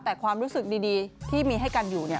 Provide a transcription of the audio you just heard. แต่ความรู้สึกดีที่มีให้กันอยู่เนี่ย